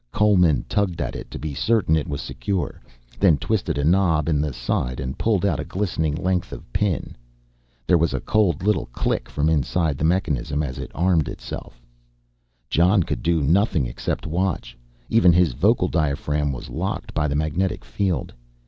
Coleman tugged at it to be certain it was secure, then twisted a knob in the side and pulled out a glistening length of pin. There was a cold little click from inside the mechanism as it armed itself. Jon could do nothing except watch, even his vocal diaphragm was locked by the magnetic field.